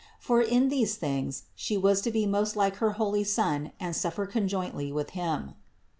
For in these things She was to be like her most holy Son and suffer conjointly with Him.